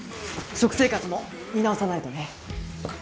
食生活も見直さないとね。